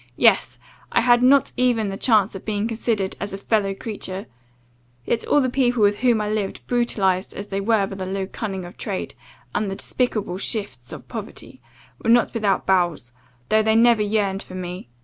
Yes; I had not even the chance of being considered as a fellow creature yet all the people with whom I lived, brutalized as they were by the low cunning of trade, and the despicable shifts of poverty, were not without bowels, though they never yearned for me.